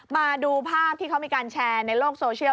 มาดูภาพที่เขามีการแชร์ในโลกโซเชียล